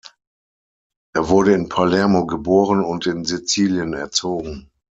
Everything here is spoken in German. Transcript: Er wurde in Palermo geboren und in Sizilien erzogen.